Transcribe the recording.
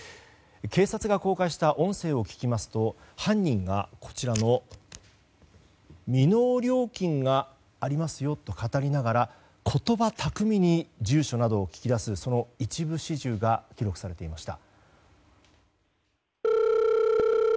警察が公開した音声を聞きますと犯人が、未納料金がありますよとかたりながら言葉巧みに住所などを聞き出すその一部始終が記録されていました。